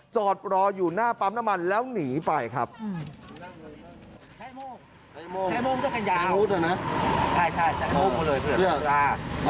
จอดรออยู่หน้าปั๊มน้ำมันแล้วหนีไปครับ